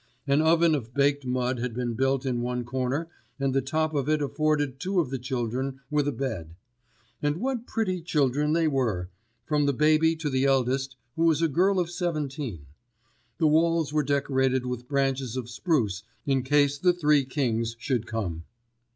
An oven of baked mud had been built in one corner and the top of it afforded two of the children with a bed. And what pretty children they were, from the baby to the eldest who was a girl of seventeen! The walls were decorated with branches of spruce in case the Three Kings should come.